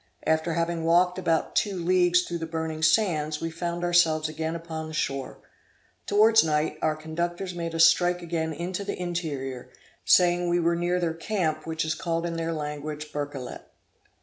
After having walked about two leagues through the burning sands, we found ourselves again upon the shore. Towards night, our conductors made us strike again into the interior, saying we were near their camp which is called in their language Berkelet.